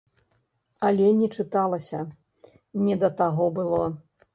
Але не чыталася, не да таго было.